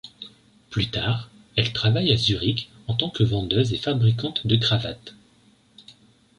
Plus tard, elle travaille à Zurich en tant que vendeuse et fabricante de cravates.